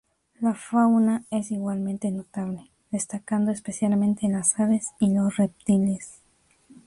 La fauna es igualmente notable, destacando especialmente las aves y los reptiles.